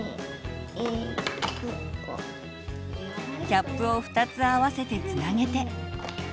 キャップを２つ合わせてつなげて。